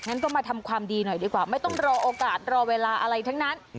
งั้นก็มาทำความดีหน่อยดีกว่าไม่ต้องรอโอกาสรอเวลาอะไรทั้งนั้น